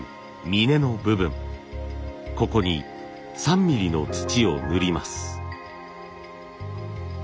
ここに３ミリの土を塗ります。